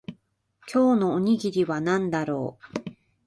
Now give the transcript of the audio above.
今日のおにぎりは何だろう